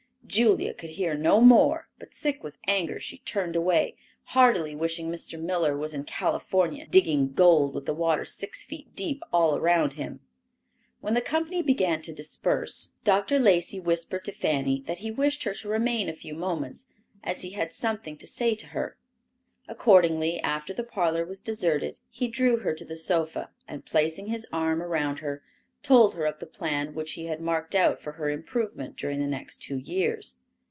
Julia could hear no more, but sick with anger, she turned away, heartily wishing Mr. Miller was in California digging gold with the water six feet deep all around him! When the company began to disperse Dr. Lacey whispered to Fanny that he wished her to remain a few moments, as he had something to say to her. Accordingly, after the parlor was deserted, he drew her to the sofa and placing his arm around her, told her of the plan which he had marked out for her improvement during the next two years.